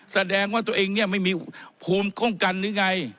แสดงว่าตัวเองเนี่ยไม่มีภูมิป้องกันหรือไง